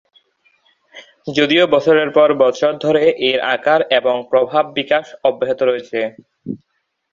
যদিও বছরের পর বছর ধরে এর আকার এবং প্রভাবের বিকাশ অব্যাহত রয়েছে।